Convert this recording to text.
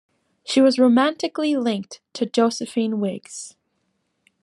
She was romantically linked to Josephine Wiggs.